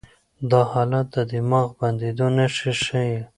دا حالت د دماغ د بندېدو نښې ښيي.